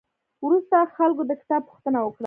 وروسته خلکو د کتاب پوښتنه وکړه.